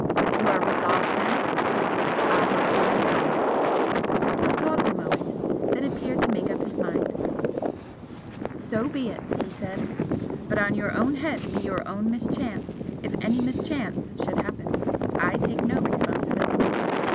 "You are resolved, then?" "I am resolved!" He paused a moment, then appeared to make up his mind. "So be it!" he said "But on your own head be your own mischance, if any mischance should happen! I take no responsibility.